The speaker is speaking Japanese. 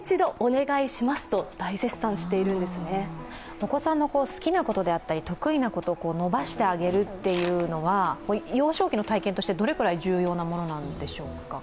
お子さんの好きなことであったり得意なことを伸ばしてあげるというのは幼少期の体験としてどれくらい重要なものなんでしょうか。